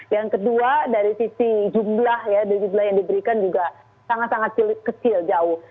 yang kedua dari sisi jumlah ya jumlah yang diberikan juga sangat sangat kecil jauh